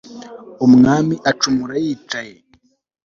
umwami acumura yicaye